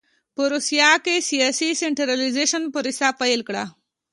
په روسیه کې سیاسي سنټرالایزېشن پروسه پیل کړ.